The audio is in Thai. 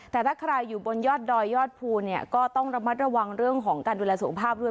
แต่ถ้าใครอยู่บนยอดดอยยอดภูเนี่ยก็ต้องระมัดระวังเรื่องของการดูแลสุขภาพด้วย